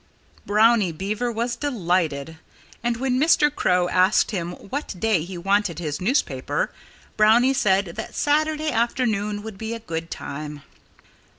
Brownie Beaver was delighted. And when Mr. Crow asked him what day he wanted his newspaper Brownie said that Saturday afternoon would be a good time.